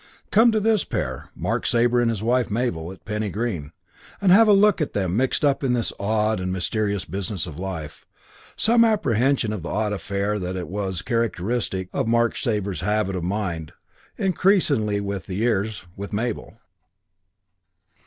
Come to this pair, Mark Sabre and his wife Mabel, at Penny Green, and have a look at them mixed up in this odd and mysterious business of life. Some apprehension of the odd affair that it was was characteristic of Mark Sabre's habit of mind, increasingly with the years, with Mabel.